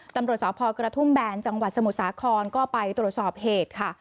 ตำรวจสพกระทุ่มแบนจังหวัดสมุทรสาครก็ไปตรวจสอบเหตุค่ะ